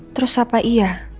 terus apa iya